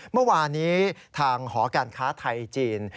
เมื่อวานี้ทางหอการค้าไทยจีน